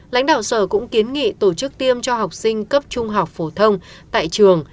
lãnh đạo sở cũng kiến nghị tổ chức tiêm cho học sinh cấp trung học phổ thông tại trường